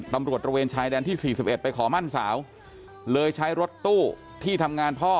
ตระเวนชายแดนที่๔๑ไปขอมั่นสาวเลยใช้รถตู้ที่ทำงานพ่อ